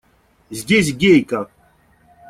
Здесь Гейка!